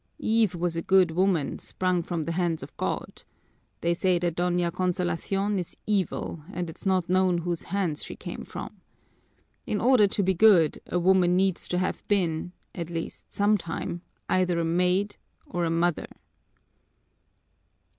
Eve was a good woman, sprung from the hands of God they say that Doña Consolacion is evil and it's not known whose hands she came from! In order to be good, a woman needs to have been, at least sometime, either a maid or a mother."